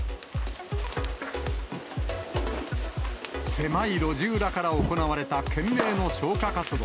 狭い路地裏から行われた懸命の消火活動。